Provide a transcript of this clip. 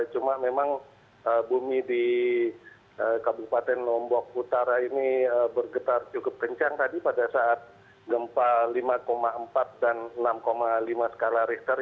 cuma memang bumi di kabupaten lombok utara ini bergetar cukup kencang tadi pada saat gempa lima empat dan enam lima skala richter